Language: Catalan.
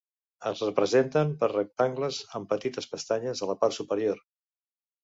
Es representen per rectangles amb petites pestanyes a la part superior.